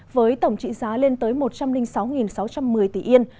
với tổng trị giá lên tới một trăm linh sáu sáu trăm một mươi tỷ yên